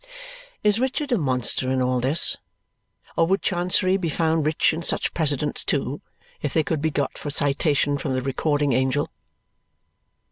Is Richard a monster in all this, or would Chancery be found rich in such precedents too if they could be got for citation from the Recording Angel?